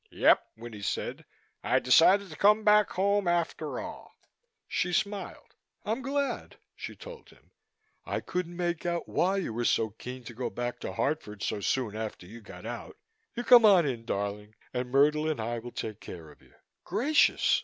"Yep," Winnie said. "I decided to come back home, after all." She smiled. "I'm glad," she told him. "I couldn't make out why you were so keen to go back to Hartford so soon after you got out. You come on in, darling, and Myrtle and I will take care of you. Gracious!